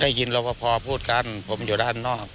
ได้ยินรอบพอพูดกันผมอยู่ด้านนอก